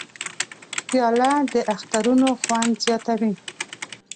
پیاله د اخترونو خوند زیاتوي.